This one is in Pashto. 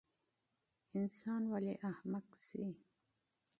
انسان ولۍ احمق سي؟